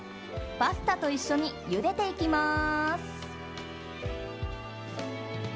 パスタと一緒にゆでていきます。